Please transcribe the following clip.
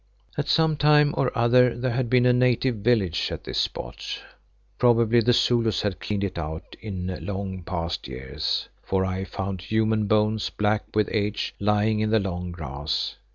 At some time or other there had been a native village at this spot; probably the Zulus had cleaned it out in long past years, for I found human bones black with age lying in the long grass.